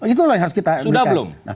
itu yang harus kita berikan